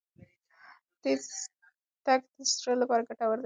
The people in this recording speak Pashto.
تېز تګ د زړه لپاره ګټور دی.